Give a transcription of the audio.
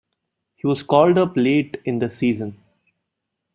He was called up late in the season.